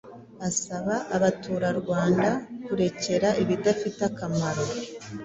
asaba Abaturarwanda kurekera ibidafite akamaro